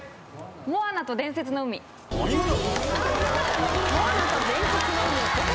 『モアナと伝説の海』お見事。